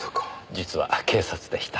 実は警察でした。